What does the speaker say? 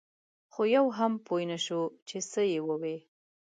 خو یو هم پوی نه شو چې څه یې ووې.